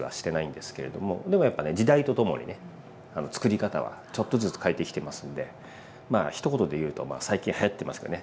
でもやっぱね時代とともにねつくり方はちょっとずつ変えてきてますんでまあひと言で言うとまあ最近はやってますけどね。